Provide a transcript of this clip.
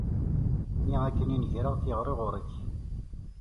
Mi akken i n-greɣ tiɣri ɣur-k.